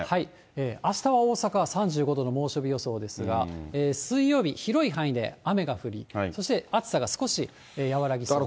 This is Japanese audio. あしたは大阪は３５度の猛暑日予想ですが、水曜日、広い範囲で雨が降り、そして暑さが少し和らぎそうです。